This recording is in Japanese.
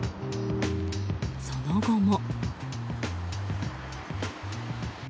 その後も。